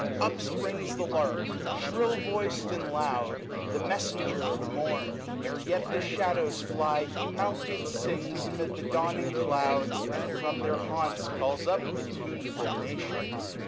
Up springs the lark, Shrill voic'd, and loud, the messenger of mom : £f e yet the shadows fly, he mounted sings Amid the dawning clouds, and from their haunts 590 Calls up the tuneful nations.